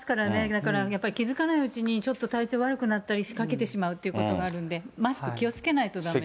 だからやっぱり気付かないうちにちょっと体調悪くなったりしかけてしまうというのがあるんで、マスク、気をつけないとだめです。